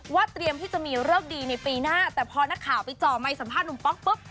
เตรียมที่จะมีเลิกดีในปีหน้าแต่พอนักข่าวไปจ่อไมคัมภาษณหนุ่มป๊อกปุ๊บ